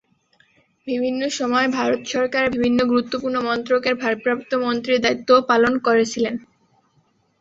বিভিন্ন সময়ে ভারত সরকারের বিভিন্ন গুরুত্বপূর্ণ মন্ত্রকের ভারপ্রাপ্ত মন্ত্রীর দায়িত্বও পালন করেছিলেন।